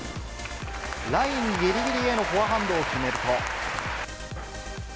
ラインぎりぎりへのフォアハンドを決めると。